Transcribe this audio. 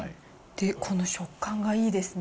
で、この食感がいいですね。